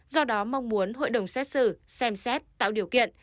do đó mong muốn hội đồng xét xử xem xét tạo điều kiện